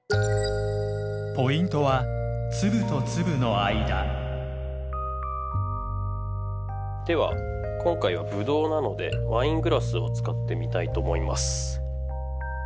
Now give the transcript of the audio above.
ポイントはでは今回はブドウなのでワイングラスを使ってみたいと思います。